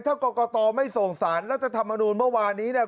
ถ้ากรกตไม่ส่งสารรัฐธรรมนูลเมื่อวานนี้เนี่ย